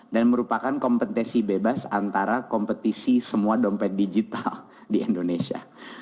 dan merupakan kompetisi bebas antara kompetisi semua dompet digital di indonesia